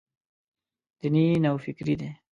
دیني نوفکري دی.